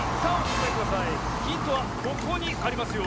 ヒントはここにありますよ。